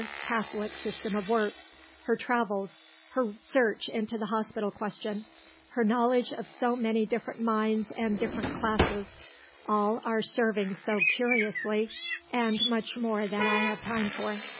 Catholic system of work, her travels, her search into the hospital question, her knowledge of so many different minds and different classes, all are serving so curiously and much more than I have time for.